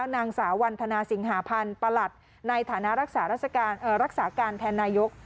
นางสาววันธนาสิงหาพันธ์ประหลัดในฐานะรักษาการแทนนายก